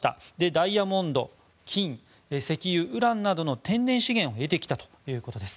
ダイヤモンド、金、石油ウランなどの天然資源を得てきたということです。